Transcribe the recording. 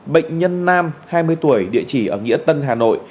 bệnh nhân nam hai mươi tuổi địa chỉ ở nghĩa tân hà nội